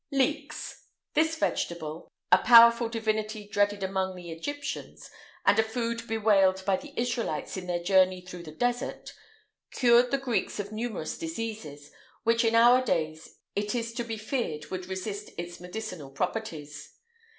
[IX 147] LEEKS. This vegetable a powerful divinity, dreaded among the Egyptians,[IX 148] and a food bewailed by the Israelites in their journey through the Desert[IX 149] cured the Greeks of numerous diseases, which in our days it is to be feared would resist its medicinal properties.